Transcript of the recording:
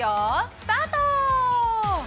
スタート！